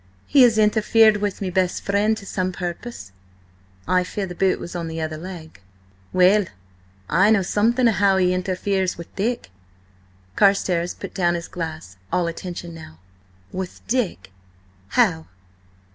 "He has interfered with me best friend to some purpose." "I fear the boot was on the other leg!" "Well, I know something of how he interferes with Dick." Carstares put down his glass, all attention now. "With Dick? How?"